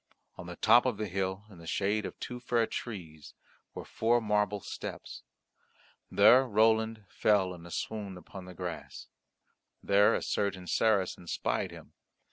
On the top of the hill in the shade of two fair trees were four marble steps. There Roland fell in a swoon upon the grass. There a certain Saracen spied him.